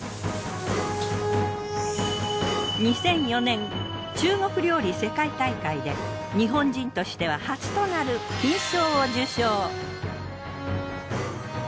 ２００４年中国料理世界大会で日本人としては初となる金賞を受賞。